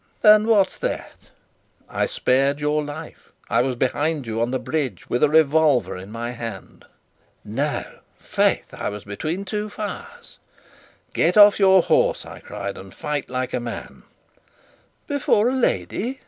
"And what's that?" "I spared your life. I was behind you on the bridge, with a revolver in my hand." "No? Faith, I was between two fires!" "Get off your horse," I cried, "and fight like a man." "Before a lady!"